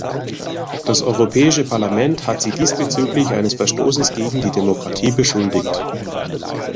Das Europäische Parlament hat Sie diesbezüglich eines Verstoßes gegen die Demokratie beschuldigt.